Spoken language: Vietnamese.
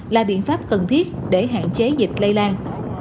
là biện pháp cần thiết để hạn chế dịch lây lan